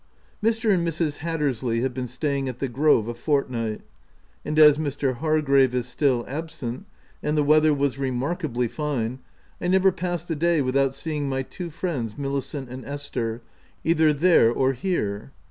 Mr. and Mrs. Hattersley have been staying at the Grove a fortnight ; and as Mr. Hargrave is still absent, and the weather was remarkably fine, I never passed a day without seeing my two friends, Milicent and Esther, either there or here.